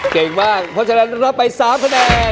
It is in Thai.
เก่งมากเพราะฉะนั้นรับไป๓คะแนน